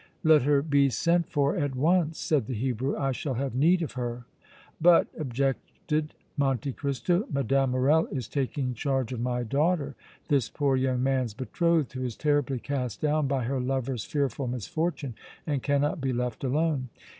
"Let her be sent for at once," said the Hebrew. "I shall have need of her." "But," objected Monte Cristo, "Mme. Morrel is taking charge of my daughter, this poor young man's betrothed, who is terribly cast down by her lover's fearful misfortune and cannot be left alone."